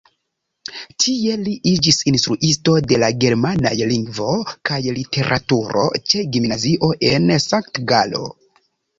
Tie li iĝis instruisto de la germanaj lingvo kaj literaturo ĉe gimnazio en Sankt-Galo.